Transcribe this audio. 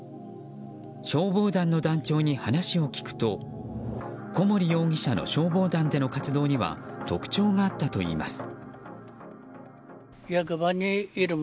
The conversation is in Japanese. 消防団の団長に話を聞くと小守容疑者の消防団での活動には特徴があったといいます。